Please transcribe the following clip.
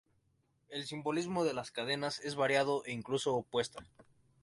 El simbolismo de las cadenas es variado e incluso opuesta.